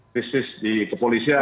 krisis di kepolisian